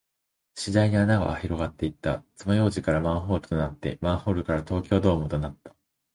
次第に穴は広がっていった。爪楊枝からマンホールとなって、マンホールから東京ドームとなった。